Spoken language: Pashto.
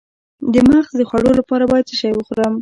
د مغز د خوړو لپاره باید څه شی وخورم؟